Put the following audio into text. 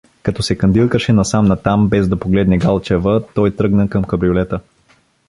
Като се кандилкаше насам-натам, без да погледне Галчева, той тръгна към кабриолета.